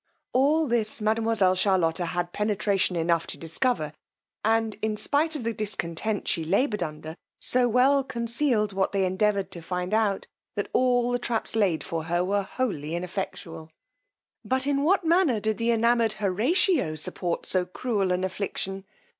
All this mademoiselle Charlotta had penetration enough to discover, and, spite of the discontent she laboured under, so well concealed what they endeavoured to find out, that all the traps laid for her were wholly ineffectual. But in what manner did the enamoured Horatio support so cruel an affliction!